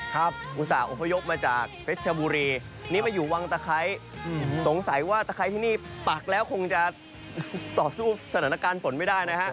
อุตส่าหอพยพมาจากเพชรชบุรีนี่มาอยู่วังตะไคร้สงสัยว่าตะไคร้ที่นี่ปักแล้วคงจะต่อสู้สถานการณ์ฝนไม่ได้นะฮะ